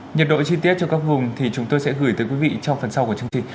nhiệt độ chi tiết cho các vùng thì chúng tôi sẽ gửi tới quý vị trong phần sau của chương trình